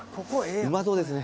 うまそうですね。